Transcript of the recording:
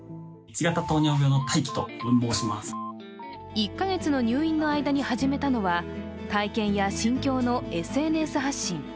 １か月の入院の間に始めたのは体験や心境のＳＮＳ発信。